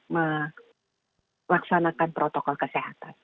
melaksanakan protokol kesehatan